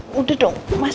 mas udah dong mas